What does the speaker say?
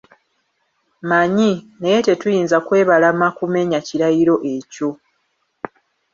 Mmanyi, naye tetuyinza kwebalama kumenya kirayiro ekyo.